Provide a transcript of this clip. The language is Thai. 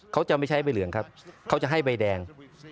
เขาจะไม่ใช้ใบเหลืองครับเขาจะให้ใบแดง